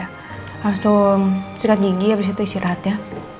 langsung sikat gigi abis itu istirahat ya